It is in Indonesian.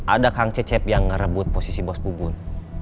ada kang cecep yang ngerebut posisi bos pubun